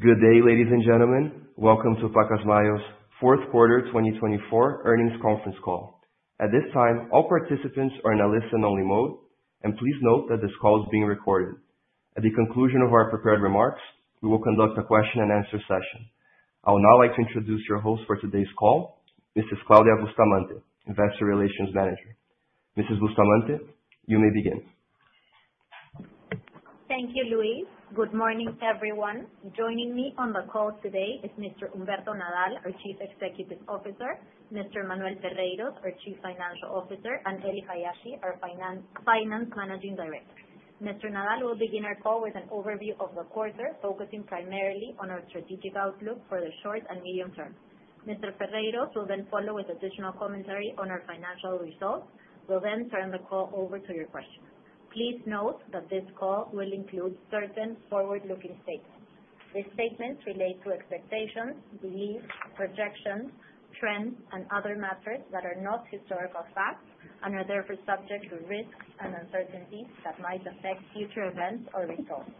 Good day, ladies and gentlemen. Welcome to Pacasmayo's Fourth Quarter 2024 Earnings Conference Call. At this time, all participants are in a listen-only mode, and please note that this call is being recorded. At the conclusion of our prepared remarks, we will conduct a question-and-answer session. I would now like to introduce your host for today's call, Mrs. Claudia Bustamante, Investor Relations Manager. Mrs. Bustamante, you may begin. Thank you, Luis. Good morning, everyone. Joining me on the call today is Mr. Humberto Nadal, our Chief Executive Officer, Mr. Manuel Ferreyros, our Chief Financial Officer, and Ely Hayashi, our Finance Managing Director. Mr. Nadal will begin our call with an overview of the quarter, focusing primarily on our strategic outlook for the short and medium term. Mr. Ferreyros will then follow with additional commentary on our financial results. We'll then turn the call over to your questions. Please note that this call will include certain forward-looking statements. These statements relate to expectations, beliefs, projections, trends, and other matters that are not historical facts and are therefore subject to risks and uncertainties that might affect future events or results.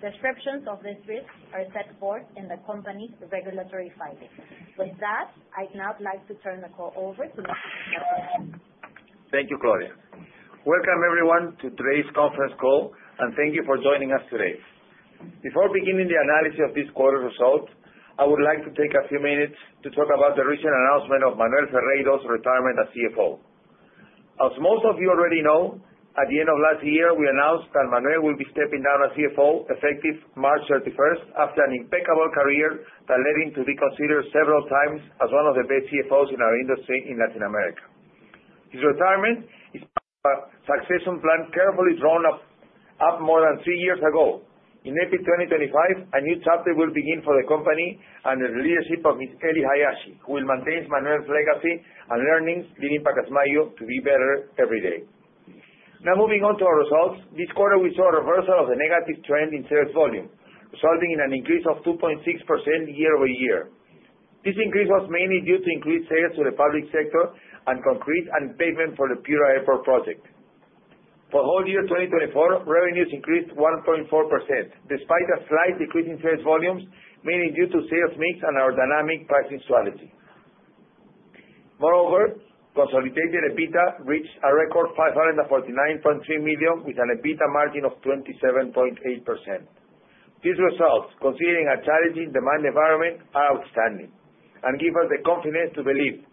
Descriptions of these risks are set forth in the company's regulatory filing. With that, I'd now like to turn the call over to Mr. Thank you, Claudia. Welcome, everyone, to today's conference call, and thank you for joining us today. Before beginning the analysis of this quarter's results, I would like to take a few minutes to talk about the recent announcement of Manuel Ferreyros' retirement as CFO. As most of you already know, at the end of last year, we announced that Manuel will be stepping down as CFO effective March 31st after an impeccable career that led him to be considered several times as one of the best CFOs in our industry in Latin America. His retirement is part of a succession plan carefully drawn up more than three years ago. In April 2025, a new chapter will begin for the company under the leadership of Ms. Ely Hayashi, who will maintain Manuel's legacy and learnings leading Pacasmayo to be better every day. Now, moving on to our results, this quarter we saw a reversal of the negative trend in sales volume, resulting in an increase of 2.6% year over year. This increase was mainly due to increased sales to the public sector and concrete and pavement for the Piura Airport project. For the whole year 2024, revenues increased 1.4% despite a slight decrease in sales volumes, mainly due to sales mix and our dynamic pricing strategy. Moreover, consolidated EBITDA reached a record PEN 549.3 million with an EBITDA margin of 27.8%. These results, considering a challenging demand environment, are outstanding and give us the confidence to believe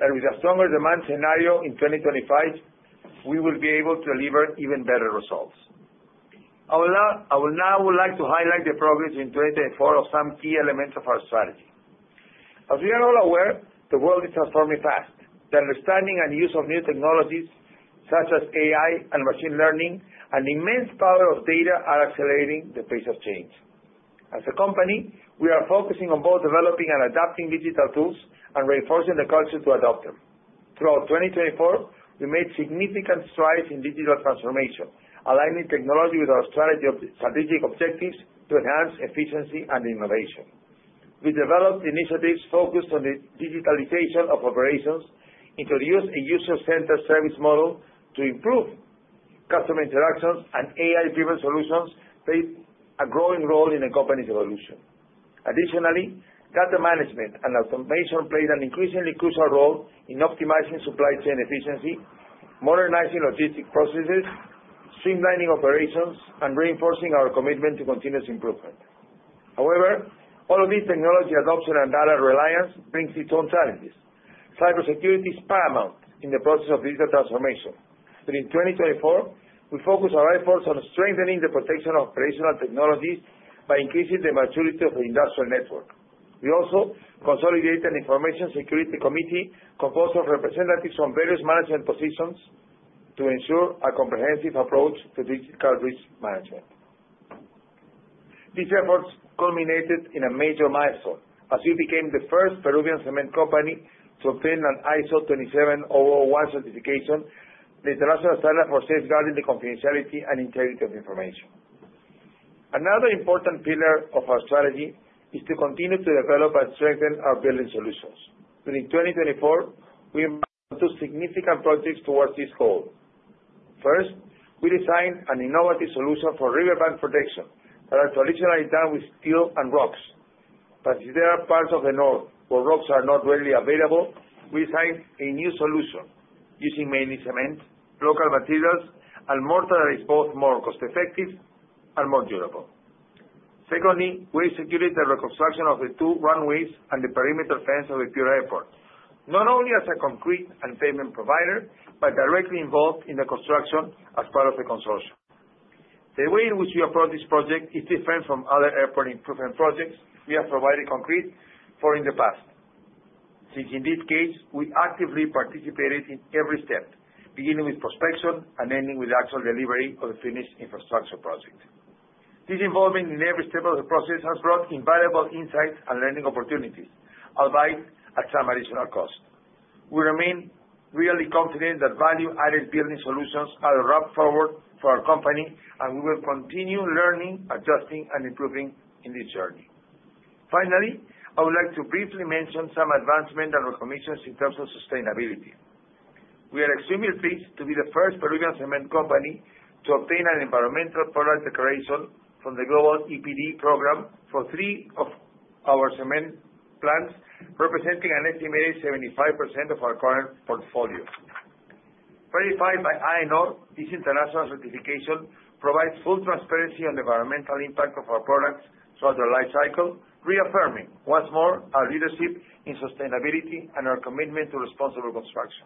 that with a stronger demand scenario in 2025, we will be able to deliver even better results. I would now like to highlight the progress in 2024 of some key elements of our strategy. As we are all aware, the world is transforming fast. The understanding and use of new technologies such as AI and machine learning, and the immense power of data, are accelerating the pace of change. As a company, we are focusing on both developing and adapting digital tools and reinforcing the culture to adopt them. Throughout 2024, we made significant strides in digital transformation, aligning technology with our strategic objectives to enhance efficiency and innovation. We developed initiatives focused on the digitalization of operations, introduced a user-centered service model to improve customer interactions, and AI-driven solutions played a growing role in the company's evolution. Additionally, data management and automation played an increasingly crucial role in optimizing supply chain efficiency, modernizing logistic processes, streamlining operations, and reinforcing our commitment to continuous improvement. However, all of these technology adoption and data reliance brings its own challenges. Cybersecurity is paramount in the process of digital transformation. During 2024, we focused our efforts on strengthening the protection of operational technologies by increasing the maturity of the industrial network. We also consolidated an information security committee composed of representatives from various management positions to ensure a comprehensive approach to digital risk management. These efforts culminated in a major milestone as we became the first Peruvian cement company to obtain an ISO 27001 certification, the international standard for safeguarding the confidentiality and integrity of information. Another important pillar of our strategy is to continue to develop and strengthen our building solutions. During 2024, we embarked on two significant projects towards this goal. First, we designed an innovative solution for riverbank protection that is traditionally done with steel and rocks. But since there are parts of the north where rocks are not readily available, we designed a new solution using mainly cement, local materials, and mortar that is both more cost-effective and more durable. Secondly, we executed the reconstruction of the two runways and the perimeter fence of the Piura Airport, not only as a concrete and pavement provider but directly involved in the construction as part of the consortium. The way in which we approach this project is different from other airport improvement projects we have provided concrete for in the past, since in this case, we actively participated in every step, beginning with prospection and ending with actual delivery of the finished infrastructure project. This involvement in every step of the process has brought invaluable insights and learning opportunities, albeit at some additional cost. We remain really confident that value-added building solutions are the route forward for our company, and we will continue learning, adjusting, and improving in this journey. Finally, I would like to briefly mention some advancements and recommendations in terms of sustainability. We are extremely pleased to be the first Peruvian cement company to obtain an environmental product declaration from the Global EPD program for three of our cement plants, representing an estimated 75% of our current portfolio. Verified by AENOR, this international certification provides full transparency on the environmental impact of our products throughout the life cycle, reaffirming once more our leadership in sustainability and our commitment to responsible construction.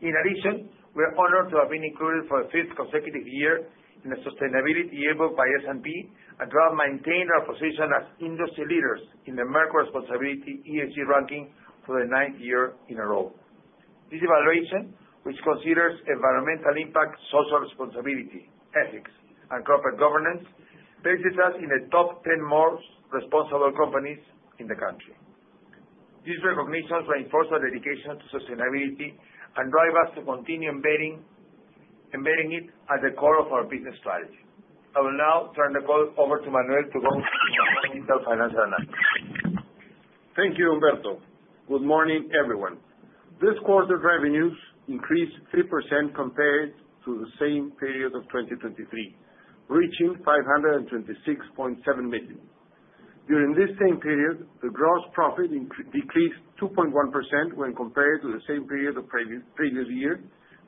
In addition, we are honored to have been included for the fifth consecutive year in the Sustainability Event by S&P and thus maintain our position as industry leaders in the Merco Responsibility ESG ranking for the ninth year in a row. This evaluation, which considers environmental impact, social responsibility, ethics, and corporate governance, places us in the top 10 most responsible companies in the country. These recognitions reinforce our dedication to sustainability and drive us to continue embedding it at the core of our business strategy. I will now turn the call over to Manuel to go into the financial analysis. Thank you, Humberto. Good morning, everyone. This quarter's revenues increased 3% compared to the same period of 2023, reaching PEN 526.7 million. During this same period, the gross profit decreased 2.1% when compared to the same period of previous year,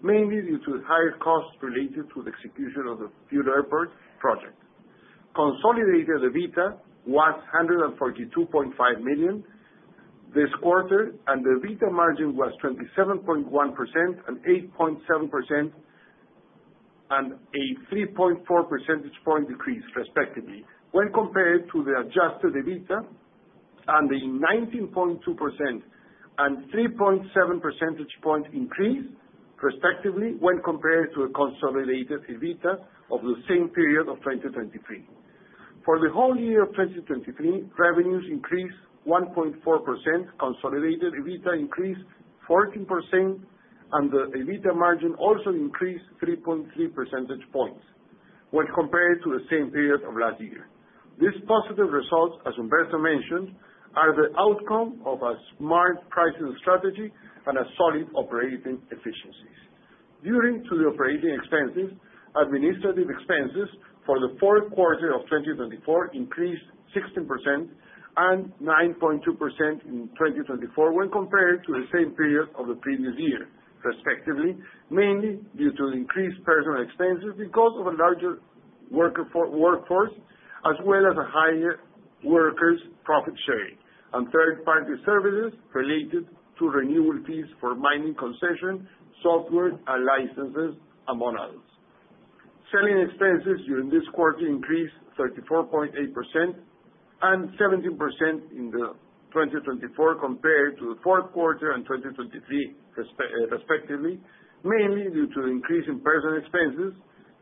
mainly due to higher costs related to the execution of the Piura Airport project. Consolidated EBITDA was PEN 142.5 million this quarter, and the EBITDA margin was 27.1% and 8.7% and a 3.4 percentage point decrease, respectively, when compared to the adjusted EBITDA and the 19.2% and 3.7 percentage point increase, respectively, when compared to the consolidated EBITDA of the same period of 2023. For the whole year of 2023, revenues increased 1.4%, consolidated EBITDA increased 14%, and the EBITDA margin also increased 3.3 percentage points when compared to the same period of last year. These positive results, as Humberto mentioned, are the outcome of a smart pricing strategy and solid operating efficiencies. Due to the operating expenses, administrative expenses for the fourth quarter of 2024 increased 16% and 9.2% in 2024 when compared to the same period of the previous year, respectively, mainly due to the increased personnel expenses because of a larger workforce, as well as a higher workers' profit share, and third-party services related to renewal fees for mining concession software and licenses, among others. Selling expenses during this quarter increased 34.8% and 17% in 2024 compared to the fourth quarter and 2023, respectively, mainly due to the increase in personnel expenses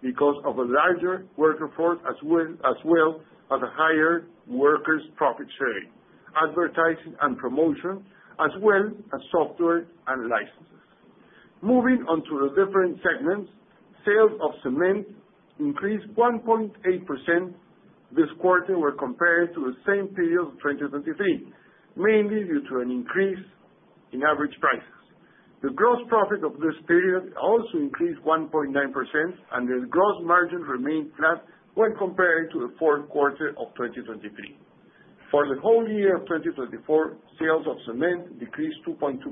because of a larger workforce as well as a higher workers' profit share, advertising and promotion, as well as software and licenses. Moving on to the different segments, sales of cement increased 1.8% this quarter when compared to the same period of 2023, mainly due to an increase in average prices. The gross profit of this period also increased 1.9%, and the gross margin remained flat when compared to the fourth quarter of 2023. For the whole year of 2024, sales of cement decreased 2.2%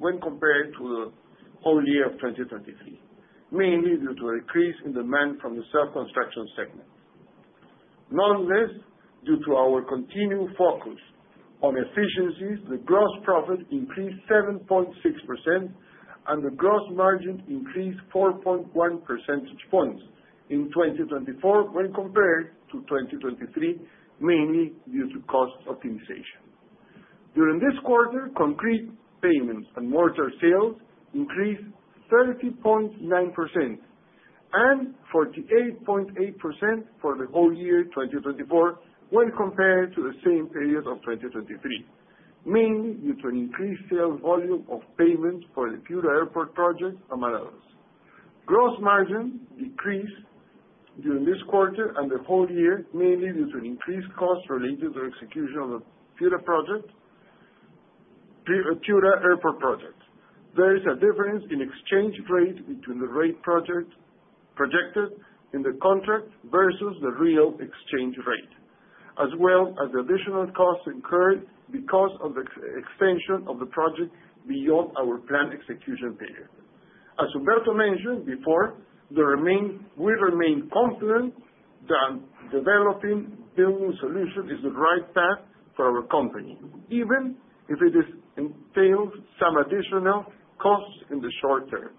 when compared to the whole year of 2023, mainly due to a decrease in demand from the self-construction segment. Nonetheless, due to our continued focus on efficiencies, the gross profit increased 7.6%, and the gross margin increased 4.1 percentage points in 2024 when compared to 2023, mainly due to cost optimization. During this quarter, concrete pavements and mortar sales increased 30.9% and 48.8% for the whole year 2024 when compared to the same period of 2023, mainly due to an increased sales volume of pavements for the Piura Airport project, among others. Gross margin decreased during this quarter and the whole year, mainly due to an increased cost related to the execution of the Piura Airport project. There is a difference in exchange rate between the rate projected in the contract versus the real exchange rate, as well as the additional costs incurred because of the extension of the project beyond our planned execution period. As Humberto mentioned before, we remain confident that developing building solutions is the right path for our company, even if it entails some additional costs in the short term.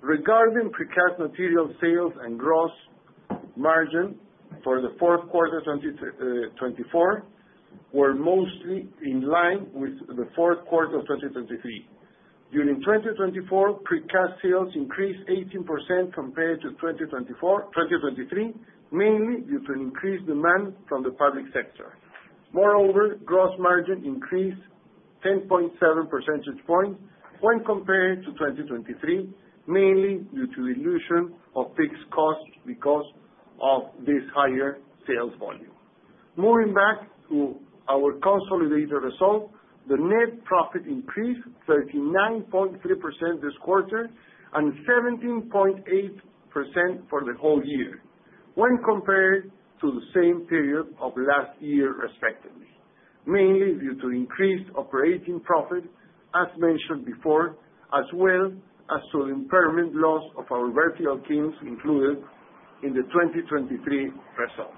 Regarding precast material sales and gross margin for the fourth quarter of 2024 were mostly in line with the fourth quarter of 2023. During 2024, precast sales increased 18% compared to 2023, mainly due to an increased demand from the public sector. Moreover, gross margin increased 10.7 percentage points when compared to 2023, mainly due to the dilution of fixed costs because of this higher sales volume. Moving back to our consolidated result, the net profit increased 39.3% this quarter and 17.8% for the whole year when compared to the same period of last year, respectively, mainly due to increased operating profit, as mentioned before, as well as to the impairment loss of our vertical kilns included in the 2023 result.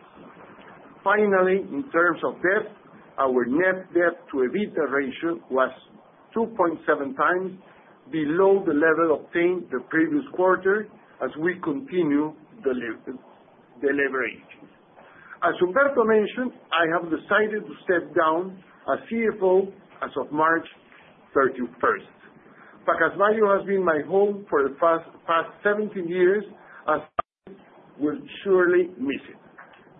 Finally, in terms of debt, our net debt to EBITDA ratio was 2.7 times below the level obtained the previous quarter as we continue delivering it. As Humberto mentioned, I have decided to step down as CFO as of March 31st. Pacasmayo has been my home for the past 17 years, as I will surely miss it.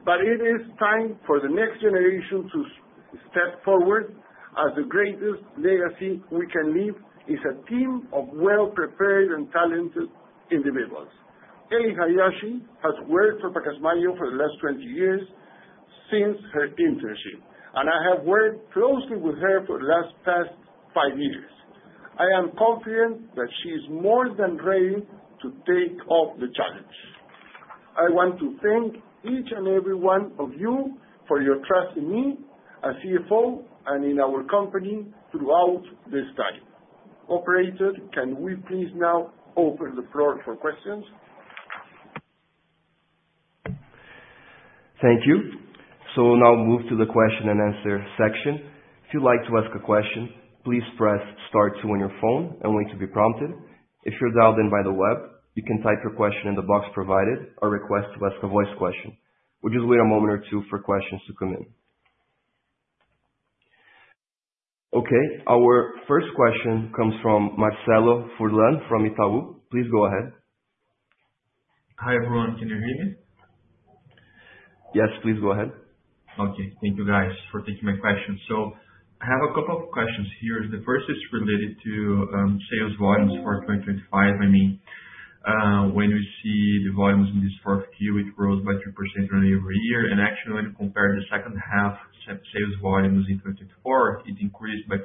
But it is time for the next generation to step forward, as the greatest legacy we can leave is a team of well-prepared and talented individuals. Ely Hayashi has worked for Pacasmayo for the last 20 years since her internship, and I have worked closely with her for the last five years. I am confident that she is more than ready to take on the challenge. I want to thank each and every one of you for your trust in me as CFO and in our company throughout this time. Operator, can we please now open the floor for questions? Thank you. So we'll now move to the question and answer section. If you'd like to ask a question, please press star 2 on your phone and wait to be prompted. If you're dialed in by the web, you can type your question in the box provided or request to ask a voice question. We'll just wait a moment or two for questions to come in. Okay. Our first question comes from Marcelo Furlan from Itaú. Please go ahead. Hi, everyone. Can you hear me? Yes, please go ahead. Okay. Thank you, guys, for taking my question. So I have a couple of questions here. The first is related to sales volumes for 2025. I mean, when we see the volumes in this fourth year, it grows by 3% really every year. And actually, when we compare the second half sales volumes in 2024, it increased by 14%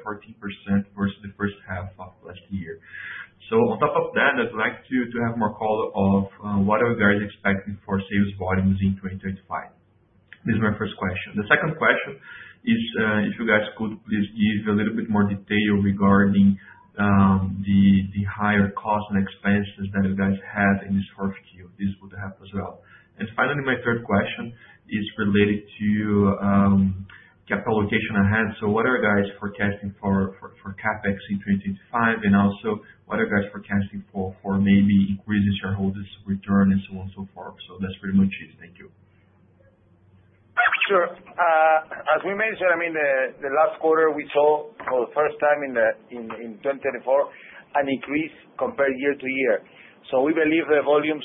versus the first half of last year. So on top of that, I'd like to have more color on what are you guys expecting for sales volumes in 2025? This is my first question. The second question is, if you guys could please give a little bit more detail regarding the higher costs and expenses that you guys have in this fourth year. This would help as well. And finally, my third question is related to capital allocation ahead. So what are you guys forecasting for CapEx in 2025? And also, what are you guys forecasting for maybe increasing shareholders' return and so on and so forth? So that's pretty much it. Thank you. Sure. As we mentioned, I mean, the last quarter, we saw for the first time in 2024 an increase compared year to year. So we believe the volumes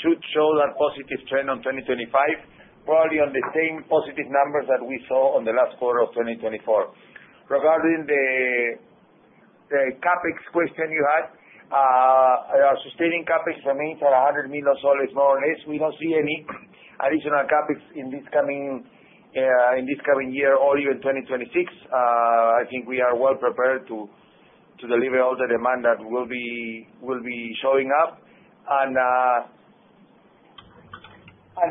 should show that positive trend in 2025, probably on the same positive numbers that we saw on the last quarter of 2024. Regarding the CapEx question you had, our sustaining CapEx remains at PEN 100 million, more or less. We don't see any additional CapEx in this coming year or even 2026. I think we are well prepared to deliver all the demand that will be showing up. And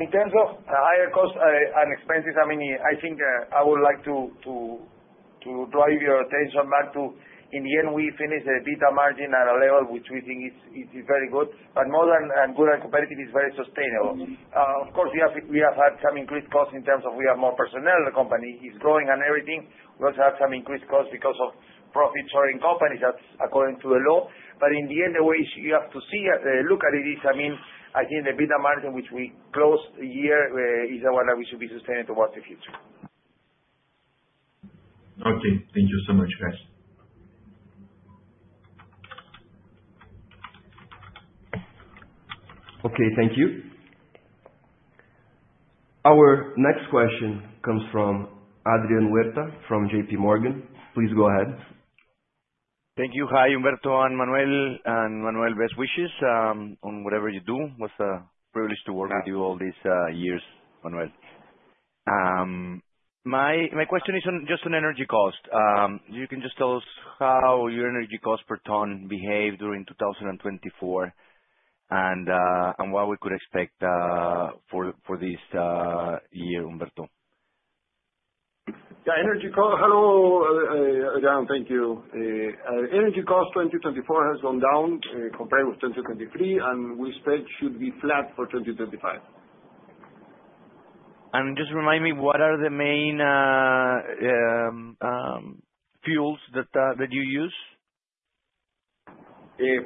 in terms of higher costs and expenses, I mean, I think I would like to drive your attention back to, in the end, we finished the EBITDA margin at a level which we think is very good, but more than good and competitive, it's very sustainable. Of course, we have had some increased costs in terms of we have more personnel, the company is growing, and everything. We also have some increased costs because of profit-sharing companies, according to the law. But in the end, the way you have to look at it is, I mean, I think the EBITDA margin which we closed the year is the one that we should be sustaining towards the future. Okay. Thank you so much, guys. Okay. Thank you. Our next question comes from Adriana Huerta from JPMorgan. Please go ahead. Thank you. Hi, Humberto and Manuel, and Manuel, best wishes on whatever you do. It was a privilege to work with you all these years, Manuel. My question is just on energy cost. You can just tell us how your energy cost per ton behaved during 2024 and what we could expect for this year, Humberto? Yeah. Energy cost. Hello, Adriana. Thank you. Energy cost 2024 has gone down compared with 2023, and we expect should be flat for 2025. Just remind me, what are the main fuels that you use?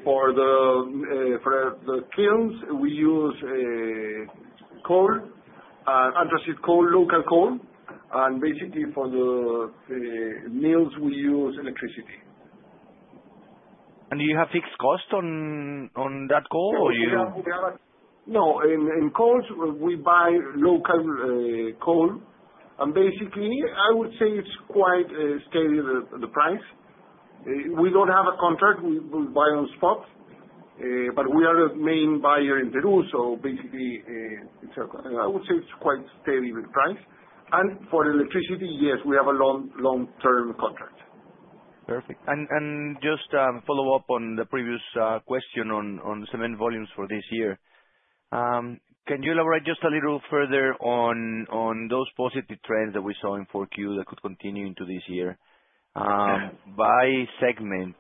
For the kilns, we use coal, anthracite coal, local coal. Basically, for the mills, we use electricity. Do you have fixed cost on that coal or you? No. In coal, we buy local coal. And basically, I would say it's quite steady, the price. We don't have a contract. We buy on spot. But we are the main buyer in Peru, so basically, I would say it's quite steady with price. And for electricity, yes, we have a long-term contract. Perfect. And just follow up on the previous question on cement volumes for this year. Can you elaborate just a little further on those positive trends that we saw in fourth year that could continue into this year? By segment,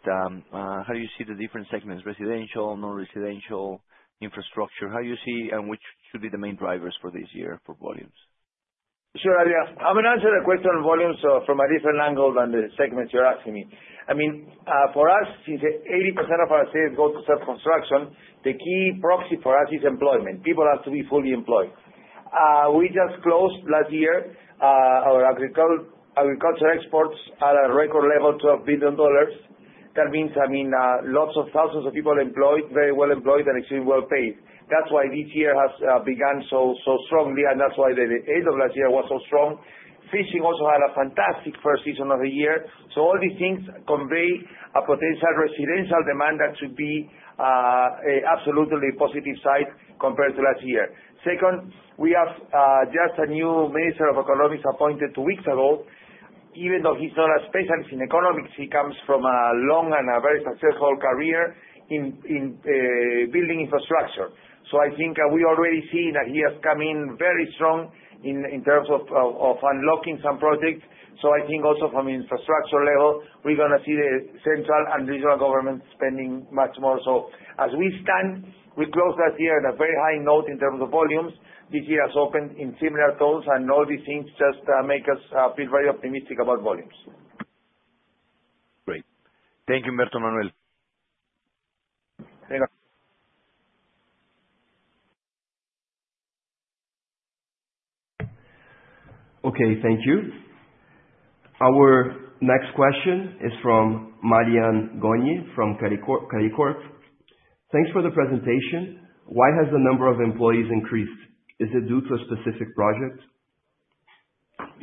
how do you see the different segments? Residential, non-residential, infrastructure? How do you see which should be the main drivers for this year for volumes? Sure. Yeah. I'm going to answer the question on volumes from a different angle than the segments you're asking me. I mean, for us, since 80% of our sales go to self-construction, the key proxy for us is employment. People have to be fully employed. We just closed last year our agriculture exports at a record level of $12 billion. That means, I mean, lots of thousands of people employed, very well employed, and extremely well paid. That's why this year has begun so strongly, and that's why the end of last year was so strong. Fishing also had a fantastic first season of the year. So all these things convey a potential residential demand that should be absolutely a positive side compared to last year. Second, we have just a new Minister of Economics appointed two weeks ago. Even though he's not a specialist in economics, he comes from a long and a very successful career in building infrastructure. So I think we already see that he has come in very strong in terms of unlocking some projects. So I think also from an infrastructure level, we're going to see the central and regional governments spending much more so. As we stand, we closed last year at a very high note in terms of volumes. This year has opened in similar tones, and all these things just make us feel very optimistic about volumes. Great. Thank you, Humberto Manuel. Okay. Thank you. Our next question is from Marian Goñi from Credicorp Capital. Thanks for the presentation. Why has the number of employees increased? Is it due to a specific project?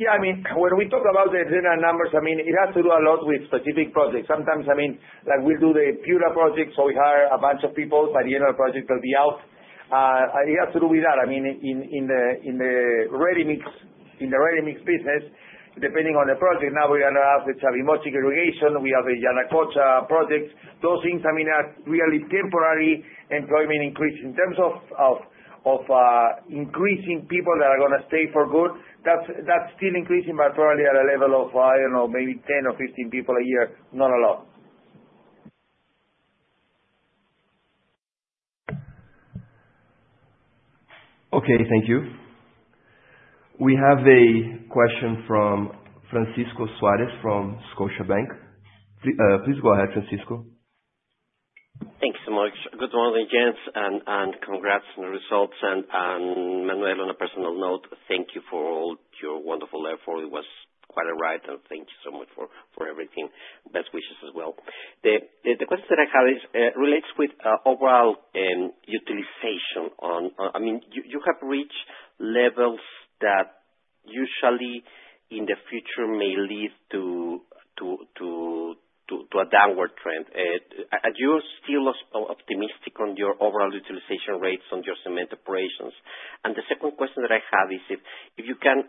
Yeah. I mean, when we talk about the general numbers, I mean, it has to do a lot with specific projects. Sometimes, I mean, like we'll do the Piura project, so we hire a bunch of people, but the general project will be out. It has to do with that. I mean, in the ready-mix business, depending on the project, now we're going to have the Chavimochic irrigation. We have the Yanacocha project. Those things, I mean, are really temporary employment increase. In terms of increasing people that are going to stay for good, that's still increasing, but probably at a level of, I don't know, maybe 10 or 15 people a year, not a lot. Okay. Thank you. We have a question from Francisco Suárez from Scotiabank. Please go ahead, Francisco. Thank you so much. Good morning, gents, and congrats on the results. And Manuel, on a personal note, thank you for all your wonderful effort. It was quite a ride, and thank you so much for everything. Best wishes as well. The question that I have relates with overall utilization. I mean, you have reached levels that usually in the future may lead to a downward trend. Are you still optimistic on your overall utilization rates on your cement operations? And the second question that I have is if you can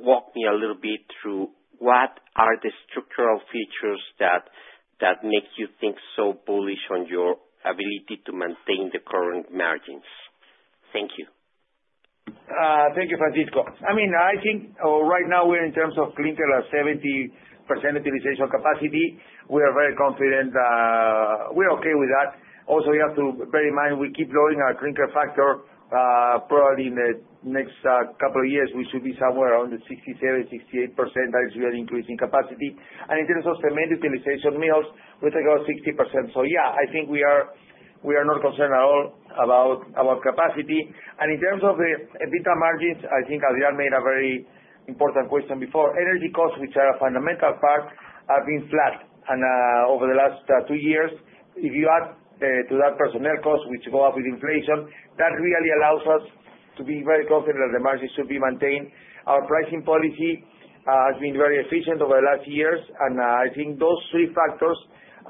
walk me a little bit through what are the structural features that make you think so bullish on your ability to maintain the current margins? Thank you. Thank you, Francisco. I mean, I think right now we're in terms of clinker at 70% utilization capacity. We are very confident that we're okay with that. Also, you have to bear in mind we keep lowering our clinker factor. Probably in the next couple of years, we should be somewhere around the 67%-68% which is really increasing capacity. And in terms of cement utilization, mills, we're talking about 60%. So yeah, I think we are not concerned at all about capacity. And in terms of EBITDA margins, I think Adriana made a very important question before. Energy costs, which are a fundamental part, have been flat over the last two years. If you add to that personnel cost, which go up with inflation, that really allows us to be very confident that the margins should be maintained. Our pricing policy has been very efficient over the last years, and I think those three factors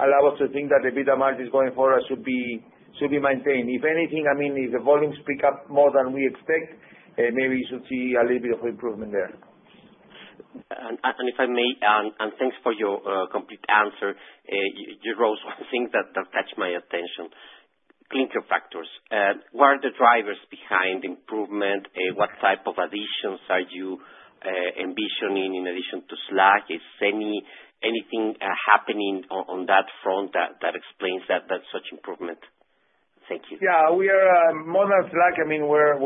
allow us to think that the EBITDA margins going forward should be maintained. If anything, I mean, if the volumes pick up more than we expect, maybe you should see a little bit of improvement there. If I may, and thanks for your complete answer, you raised one thing that catches my attention. Clinker factors. What are the drivers behind improvement? What type of additions are you envisioning in addition to slag? Is anything happening on that front that explains such improvement? Thank you. Yeah. We are more than slag. I mean, we're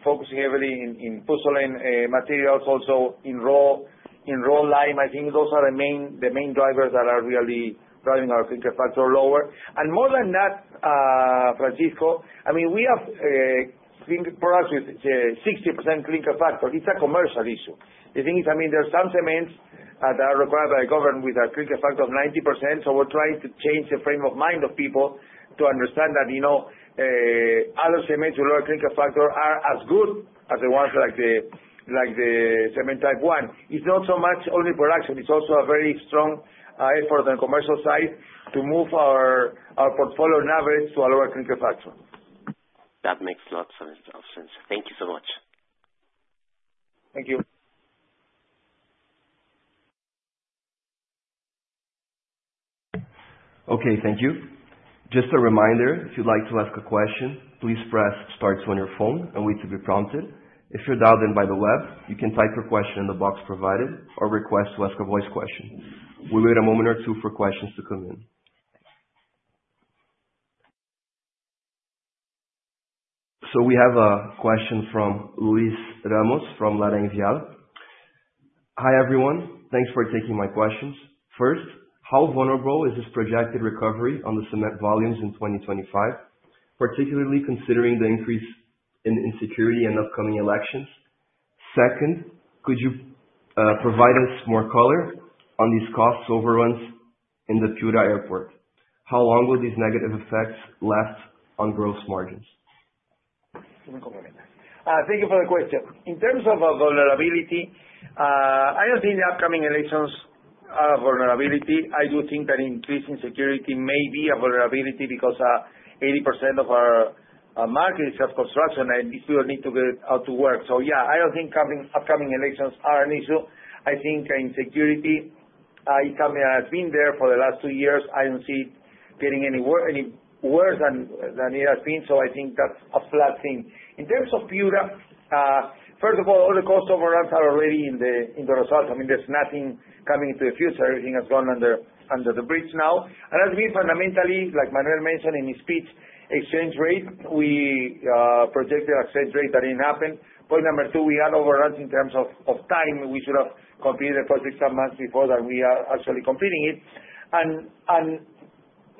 focusing heavily in pozzolan materials, also in raw materials. I think those are the main drivers that are really driving our clinker factor lower. And more than that, Francisco, I mean, we have clinker products with 60% clinker factor. It's a commercial issue. The thing is, I mean, there are some cements that are required by the government with a clinker factor of 90%. So we're trying to change the frame of mind of people to understand that other cements with lower clinker factor are as good as the ones like the cement type one. It's not so much only production. It's also a very strong effort on the commercial side to move our portfolio and average to a lower clinker factor. That makes lots of sense. Thank you so much. Thank you. Okay. Thank you. Just a reminder, if you'd like to ask a question, please press star on your phone and wait to be prompted. If you're dialed in by the web, you can type your question in the box provided or request to ask a voice question. We'll wait a moment or two for questions to come in. So we have a question from Luis Ramos from LarraínVial. Hi, everyone. Thanks for taking my questions. First, how vulnerable is this projected recovery on the cement volumes in 2025, particularly considering the increase in insecurity and upcoming elections? Second, could you provide us more color on these cost overruns in the Piura Airport? How long will these negative effects last on gross margins? Thank you for the question. In terms of vulnerability, I don't think the upcoming elections are a vulnerability. I do think that increased insecurity may be a vulnerability because 80% of our market is self-construction, and this will need to get out to work. So yeah, I don't think upcoming elections are an issue. I think insecurity, it has been there for the last two years. I don't see it getting any worse than it has been. So I think that's a flat thing. In terms of Piura, first of all, all the cost overruns are already in the results. I mean, there's nothing coming into the future. Everything has gone under the bridge now. And I think fundamentally, like Manuel mentioned in his speech, exchange rate, we projected exchange rate that didn't happen. Point number two, we had overruns in terms of time. We should have completed the project some months before that we are actually completing it.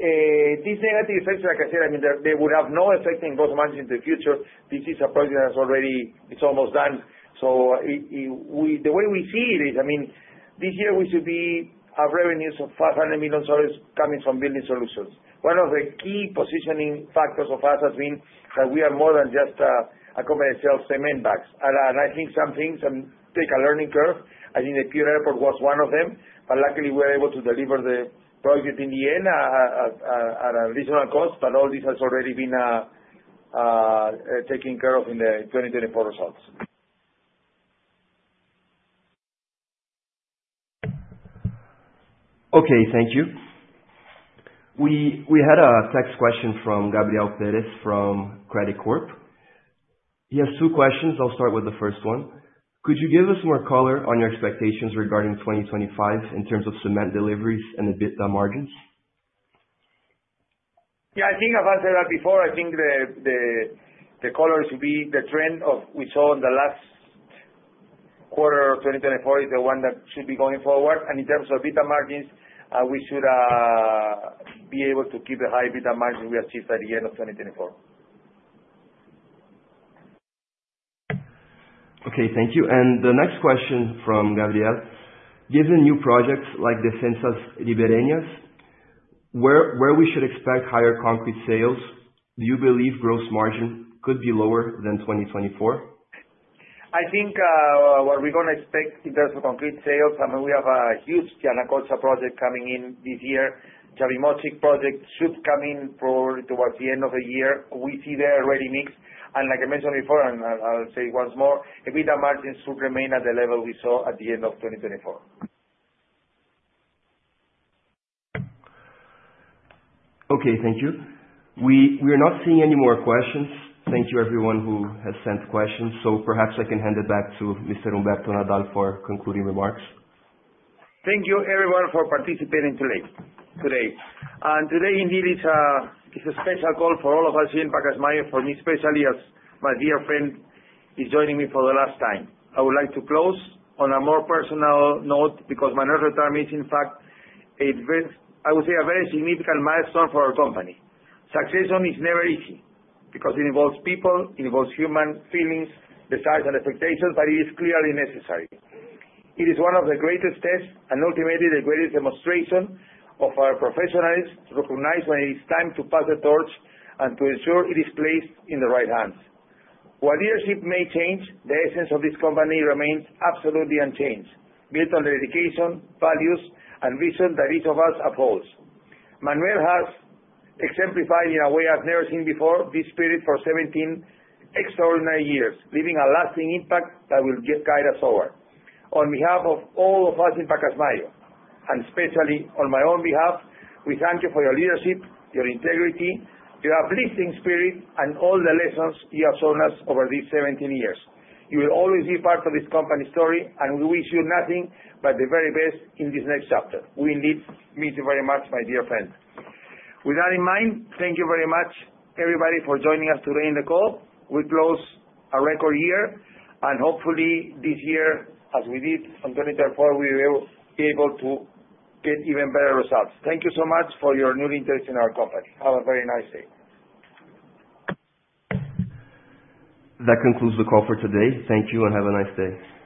These negative effects, like I said, I mean, they will have no effect in gross margins in the future. This is a project that's already almost done. The way we see it is, I mean, this year we should be at revenues of $500 million coming from building solutions. One of the key positioning factors of us has been that we are more than just a company that sells cement bags. Some things take a learning curve. The Piura Airport was one of them. Luckily, we were able to deliver the project in the end at a reasonable cost. All this has already been taken care of in the 2024 results. Okay. Thank you. We had a text question from Gabriel Perez from Credicorp Capital. He has two questions. I'll start with the first one. Could you give us more color on your expectations regarding 2025 in terms of cement deliveries and EBITDA margins? Yeah. I think I've answered that before. I think the color should be the trend that we saw in the last quarter of 2024 is the one that should be going forward. And in terms of EBITDA margins, we should be able to keep the high EBITDA margin we achieved at the end of 2024. Okay. Thank you. And the next question from Gabriel. Given new projects like Defensas Ribereñas, where we should expect higher concrete sales, do you believe gross margin could be lower than 2024? I think what we're going to expect in terms of concrete sales, I mean, we have a huge Yanacocha project coming in this year. Chavimochic project should come in probably towards the end of the year. We see there a ready-mix. And like I mentioned before, and I'll say it once more, EBITDA margins should remain at the level we saw at the end of 2024. Okay. Thank you. We are not seeing any more questions. Thank you, everyone who has sent questions. So perhaps I can hand it back to Mr. Humberto Nadal for concluding remarks. Thank you, everyone, for participating today. Today, indeed, it's a special call for all of us here in Pacasmayo, for me especially, as my dear friend is joining me for the last time. I would like to close on a more personal note because Manuel's retirement is, in fact, I would say, a very significant milestone for our company. Succession is never easy because it involves people, it involves human feelings, desires, and expectations, but it is clearly necessary. It is one of the greatest tests and ultimately the greatest demonstration of our professionals to recognize when it is time to pass the torch and to ensure it is placed in the right hands. While leadership may change, the essence of this company remains absolutely unchanged, built on the dedication, values, and vision that each of us upholds. Manuel has exemplified in a way I've never seen before this spirit for 17 extraordinary years, leaving a lasting impact that will guide us over. On behalf of all of us in Pacasmayo, and especially on my own behalf, we thank you for your leadership, your integrity, your uplifting spirit, and all the lessons you have shown us over these 17 years. You will always be part of this company's story, and we wish you nothing but the very best in this next chapter. We indeed miss you very much, my dear friend. With that in mind, thank you very much, everybody, for joining us today in the call. We close a record year, and hopefully, this year, as we did in 2024, we will be able to get even better results. Thank you so much for your new interest in our company. Have a very nice day. That concludes the call for today. Thank you and have a nice day.